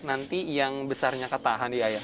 nanti yang besarnya ketahan ya